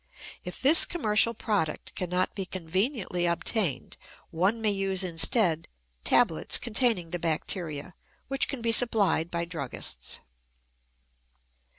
If this commercial product cannot be conveniently obtained, one may use instead tablets containing the bacteria, which can be supplied by druggists.